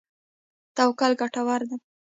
توکل ګټور دی.